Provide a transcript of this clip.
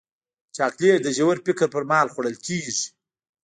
چاکلېټ د ژور فکر پر مهال خوړل کېږي.